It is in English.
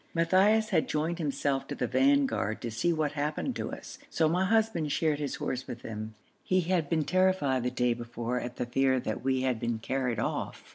Matthaios had joined himself to the vanguard to see what happened to us, so my husband shared his horse with him; he had been terrified the day before at the fear that we had been carried off.